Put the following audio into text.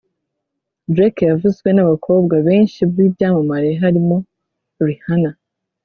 Drake yavuzwe n’abakobwa benshi b’ibyamamare barimo Rihanna